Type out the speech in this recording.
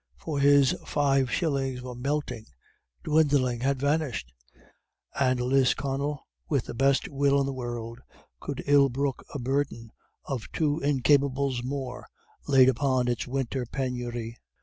For his five shillings were melting, dwindling had vanished; and Lisconnel, with the best will in the world, could ill brook a burden of two incapables more laid upon its winter penury.